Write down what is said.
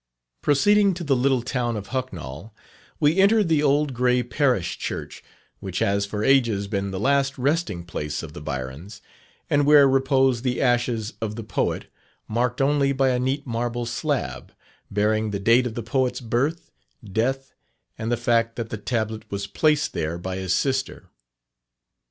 Proceeding to the little town of Hucknall, we entered the old grey Parish Church, which has for ages been the last resting place of the Byrons, and where repose the ashes of the Poet, marked only by a neat marble slab, bearing the date of the poet's birth, death, and the fact that the tablet was placed there by his sister.